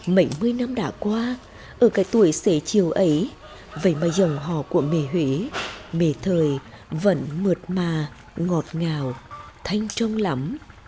mảnh mươi năm đã qua ở cái tuổi xế chiều ấy vậy mà dòng họ của mẹ huế mẹ thời vẫn mượt mà ngọt ngào thanh trông lắm